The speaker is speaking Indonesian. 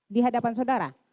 di hadapan saudara